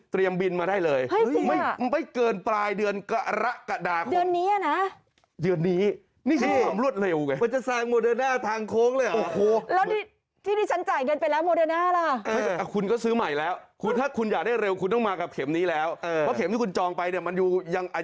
เตรียมบินมาได้เลย